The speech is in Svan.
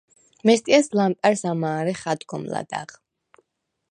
მესტიას ლამპა̈რს ამა̄რეხ ადგომ ლადა̈ღ.